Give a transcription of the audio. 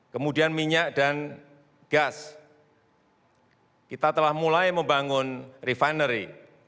kemudian minyak dan gas kita telah mulai membangun refinery